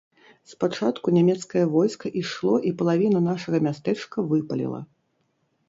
Спачатку нямецкае войска ішло і палавіну нашага мястэчка выпаліла.